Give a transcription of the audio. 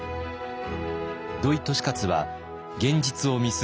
土井利勝は現実を見据え